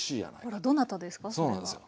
あらどなたですか？